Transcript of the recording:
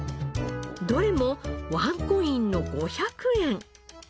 どれもワンコインの５００円！